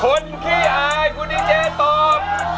ขี้อายคุณดีเจตอบ